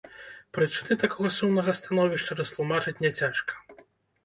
Прычыны такога сумнага становішча растлумачыць няцяжка.